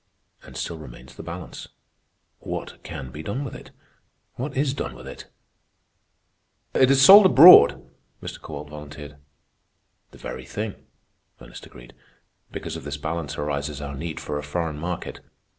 And still remains the balance. What can be done with it? What is done with it?" "It is sold abroad," Mr. Kowalt volunteered. "The very thing," Ernest agreed. "Because of this balance arises our need for a foreign market.